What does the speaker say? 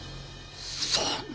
そんな！